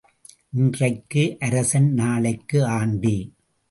இன்றைக்கு அரசன் நாளைக்கு ஆண்டி.